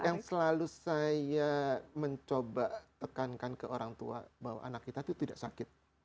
yang selalu saya mencoba tekankan ke orang tua bahwa anak kita itu tidak sakit